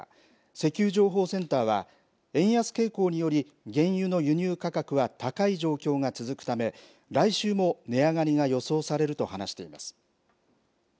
石油情報センターは、円安傾向により、原油の輸入価格は高い状況が続くため、来週も値上がりが予想されると話しています。